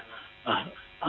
nah ini juga menurut saya